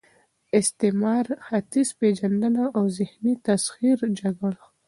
استعمار، ختیځ پېژندنه او د ذهني تسخیر جګړه